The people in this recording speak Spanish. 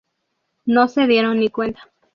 No se dieron ni cuenta".